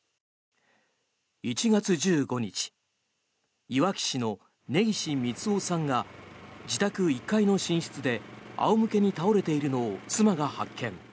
１月１５日いわき市の根岸三男さんが自宅１階の寝室で仰向けに倒れているのを妻が発見。